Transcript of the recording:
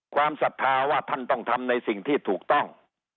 ศรัทธาว่าท่านต้องทำในสิ่งที่ถูกต้อง